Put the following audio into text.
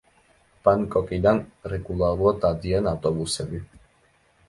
ბანგკოკიდან რეგულარულად დადიან ავტობუსები.